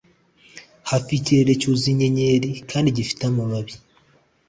hafi y'ikirere cyuzuye inyenyeri kandi gifite amababi